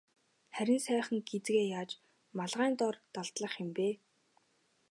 Харин сайхан гэзгээ яаж малгайн дор далдлах юм бэ?